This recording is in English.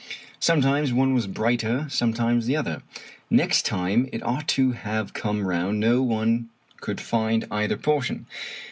Sometimes one was brighter, sometimes the other. Next time it ought to have come round no one could find either portion.